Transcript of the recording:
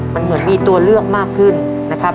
มันเหมือนมีตัวเลือกมากขึ้นนะครับ